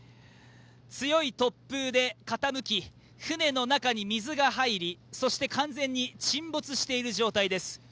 強い突風で傾き、船の中に水が入り、完全に沈没している状態です。